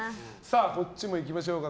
こっちもいきましょうか。